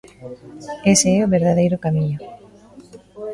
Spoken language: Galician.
Ese é o verdadeiro camiño.